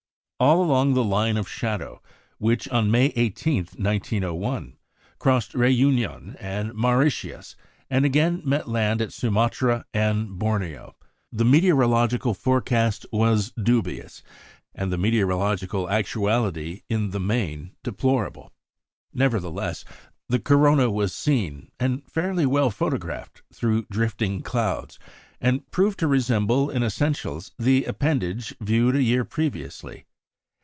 All along the line of shadow, which, on May 18, 1901, crossed Réunion and Mauritius, and again met land at Sumatra and Borneo, the meteorological forecast was dubious, and the meteorological actuality in the main deplorable. Nevertheless, the corona was seen, and fairly well photographed through drifting clouds, and proved to resemble in essentials the appendage viewed a year previously.